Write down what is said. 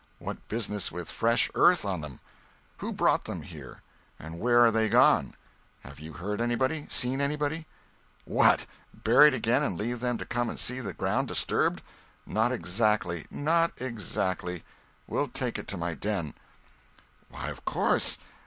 What business with fresh earth on them? Who brought them here—and where are they gone? Have you heard anybody?—seen anybody? What! bury it again and leave them to come and see the ground disturbed? Not exactly—not exactly. We'll take it to my den." "Why, of course!